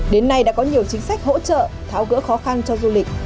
đến nay đã có nhiều chính sách hỗ trợ tháo gỡ khó khăn cho du lịch